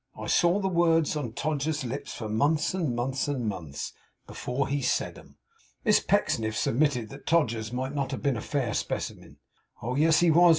I saw the words on Todgers's lips for months and months and months, before he said 'em.' Miss Pecksniff submitted that Todgers might not have been a fair specimen. 'Oh yes, he was.